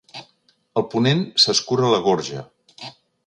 El ponent s'escura la gorja.